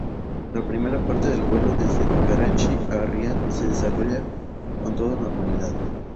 La primera parte del vuelo desde Karachi a Riad se desarrolla con toda normalidad.